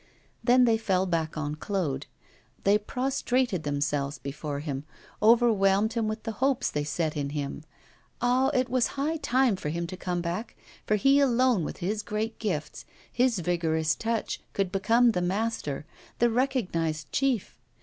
Then they fell back on Claude; they prostrated themselves before him, overwhelmed him with the hopes they set in him. Ah! it was high time for him to come back, for he alone, with his great gifts, his vigorous touch, could become the master, the recognised chief.